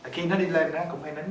khi nó đi lên nó cũng hay đánh